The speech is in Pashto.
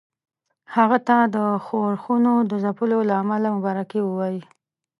هغه ته د ښورښونو د ځپلو له امله مبارکي ووايي.